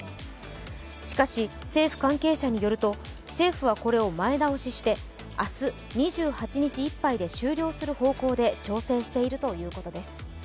しかし政府関係者によると、政府はこれを前倒しして明日２８日いっぱいで終了する方向で調整しているということです。